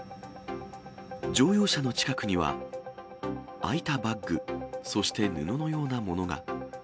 乗用車の近くには、開いたバッグ、そして布のようなものが。